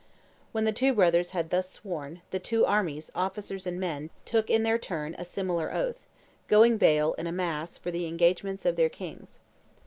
When the two brothers had thus sworn, the two armies, officers and men, took, in their turn, a similar oath, going bail, in a mass, for the engagements of their kings.